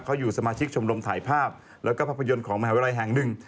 เขาอยู่สมาชิกชมรมถ่ายภาพแล้วก็ภาพยนตร์ของมหาวิทยาลัยแห่งหนึ่ง